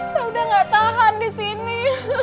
saya udah gak tahan disini